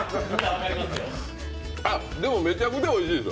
でも、めちゃくちゃおいしいです。